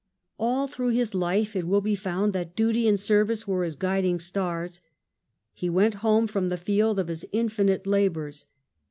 All through his life it will be found that Duty and Service were his guiding stars. He went home from the field of his infinite labours.